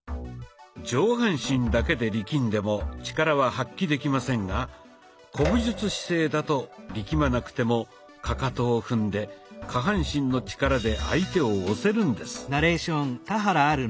上半身だけで力んでも力は発揮できませんが古武術姿勢だと力まなくてもかかとを踏んで下半身の力で相手を押せるんです。